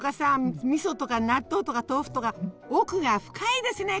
みそとか納豆とか豆腐とか奥が深いですね